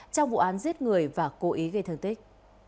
trong vụ án giết người và cố ý gây thương tích